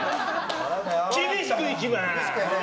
厳しくいきます！